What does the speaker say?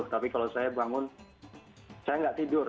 tapi kalau saya bangun saya nggak tidur